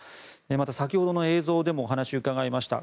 また、先ほどの映像でもお話を伺いました